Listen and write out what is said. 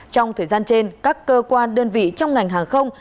trong thời gian trên các cơ quan đơn vị trong ngành hàng không